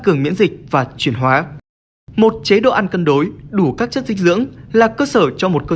cường miễn dịch và chuyển hóa một chế độ ăn cân đối đủ các chất dinh dưỡng là cơ sở cho một cơ